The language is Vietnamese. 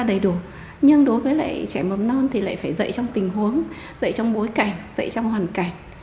đầy đủ nhưng đối với lại trẻ mầm non thì lại phải dạy trong tình huống dạy trong bối cảnh dạy trong hoàn cảnh